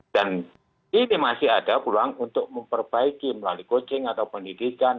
dan ini masih ada peluang untuk memperbaiki melalui coaching atau pendidikan